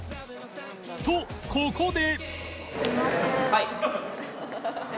とここで